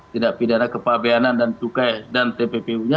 tindak pidana kepabeanan dan cukai dan tppu nya